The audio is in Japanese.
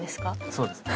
そうですね。